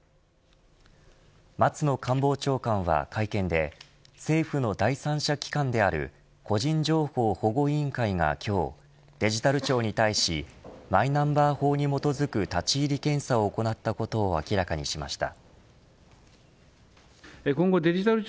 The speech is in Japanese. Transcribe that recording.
松野官房長官は会見で政府の第三者機関である個人情報保護委員会が今日デジタル庁に対しマイナンバー法に基づく立ち入り検査を行ったことを明らかにしました。